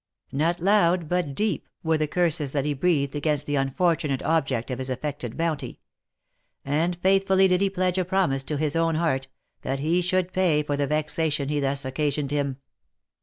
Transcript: " Not loud, but deep," were the curses that he breathed against the unfortunate object of his affected bounty ; and faithfully did he pledge a promise to his own heart, that he should pay for the vexation he thus occasioned him.